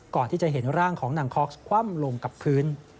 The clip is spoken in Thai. ก่อนที่จะเห็นร่างของนางคอสคว่ำลงกับพื้น